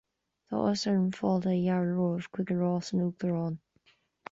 Tá áthas orm fáilte a fhearadh romhaibh chuig Áras an Uachtaráin